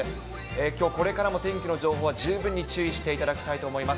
きょうこれからの天気の情報は十分に注意していただきたいと思います。